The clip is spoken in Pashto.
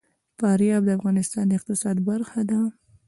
فاریاب د افغانستان د اقتصاد برخه ده.